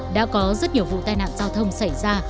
đã có rất nhiều vụ tai nạn giao thông xảy ra